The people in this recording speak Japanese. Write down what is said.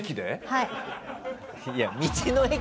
はい。